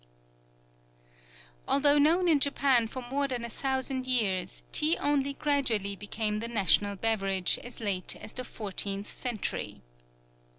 Although known in Japan for more than a thousand years, tea only gradually became the national beverage as late as the fourteenth century.